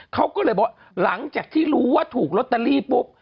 เขาก็เลยบอกหลังจากที่รู้ว่าถูกลอตเตอรี่ปุ๊บ